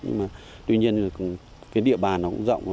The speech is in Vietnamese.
nhưng mà tuy nhiên địa bàn nó cũng rộng